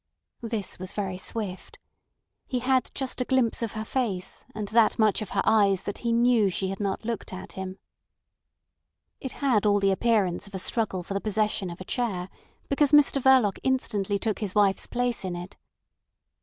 This was very swift. He had just a glimpse of her face and that much of her eyes that he knew she had not looked at him. It all had the appearance of a struggle for the possession of a chair, because Mr Verloc instantly took his wife's place in it.